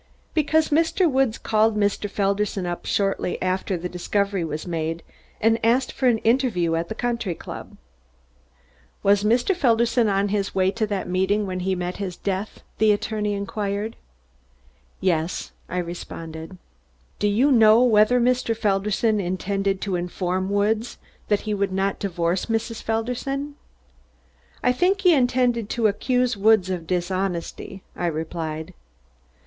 "Because Mr. Woods called Mr. Felderson up shortly after the discovery was made and asked for an interview at the country club." "Was Mr. Felderson on his way to that meeting when he met his death?" the attorney queried. "Yes," I responded. "Do you know whether Mr. Felderson intended to inform Woods that he would not divorce Mrs. Felderson?" "I think he intended to accuse Woods of dishonesty," I replied.